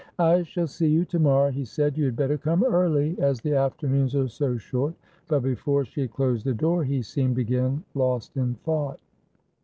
"I shall see you to morrow," he said; "you had better come early, as the afternoons are so short," but before she had closed the door he seemed again lost in thought.